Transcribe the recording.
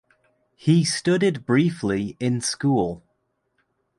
He studied briefly in school.